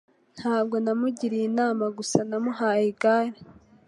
Ntabwo namugiriye inama gusa, namuhaye igare.